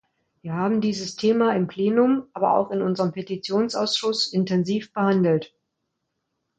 Wir haben dieses Thema im Plenum, aber auch in unserem Petitionsausschuss intensiv behandelt.